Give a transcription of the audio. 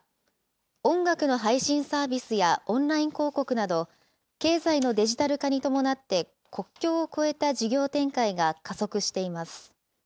音楽の配信サービスやオンライン広告など、経済のデジタル化に伴って、国境を越えた事業展開が加速しています。